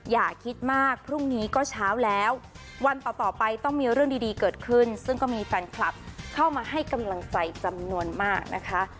อย่าคิดมากพรุ่งนี้ก็เช้าแล้ววันต่อไปต้องมีเรื่องดีเกิดขึ้นซึ่งก็มีแฟนคลับเข้ามาให้กำลังใจจำนวนมากนะคะ